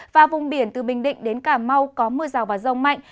và vùng biển từ bình định đến cà mau có mưa rào và rông mạnh